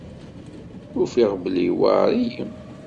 Ufiɣ belli iwɛer-iyi.